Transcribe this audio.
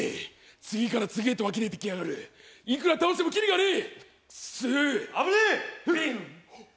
次から次へとわき出てきやがる、いくら倒してもきりがねえ。